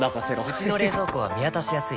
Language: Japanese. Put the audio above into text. うちの冷蔵庫は見渡しやすい